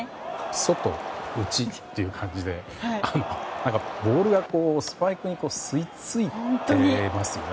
外、内という感じでボールがスパイクに吸い付いていますよね。